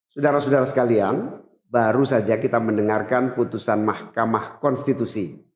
saudara saudara sekalian baru saja kita mendengarkan putusan mahkamah konstitusi